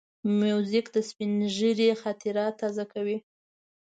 موزیک د سپینږیري خاطرې تازه کوي.